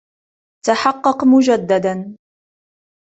تحقق مجدداً.